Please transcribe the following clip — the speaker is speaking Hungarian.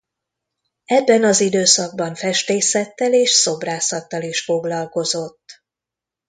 Ebben az időszakban festészettel és szobrászattal is foglalkozott.